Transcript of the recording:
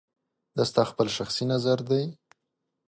دا ستا خپل شخصي نظر دی